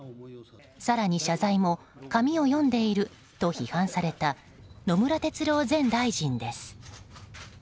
更に謝罪も紙を読んでいると批判された野村哲郎前大臣です。